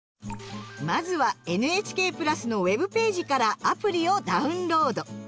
まずは「ＮＨＫプラス」のウェブページからアプリをダウンロード。